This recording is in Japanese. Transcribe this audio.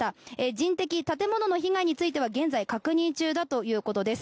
人的、建物の被害については現在、確認中だということです。